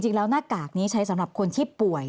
จริงแล้วหน้ากากนี้ใช้สำหรับคนที่ป่วย